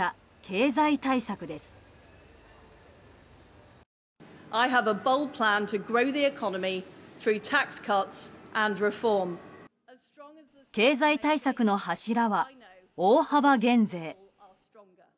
経済対策の柱は、大幅減税。